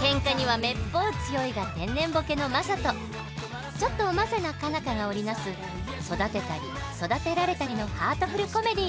ケンカにはめっぽう強いが天然ボケのマサとちょっとおませな佳奈花が織り成す育てたり育てられたりのハートフルコメディー。